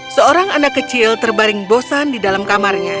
seorang anak kecil terbaring bosan di dalam kamarnya